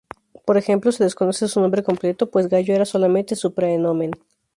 Por ejemplo, se desconoce su nombre completo, pues Gayo era solamente su "praenomen".